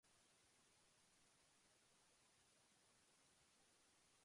The client and server are two separate entities that communicate over a network.